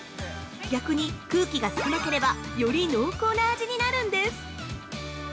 逆に空気が少なければ、より濃厚な味になるんです。